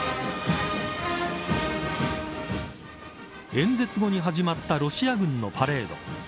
演説後に始まったロシア軍のパレード。